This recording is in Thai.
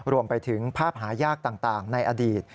รวมไปถึงภาพหายากต่างในอดีต